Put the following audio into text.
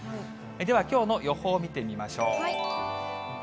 では、きょうの予報見てみましょう。